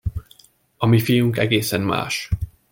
A mi fiunk egészen más!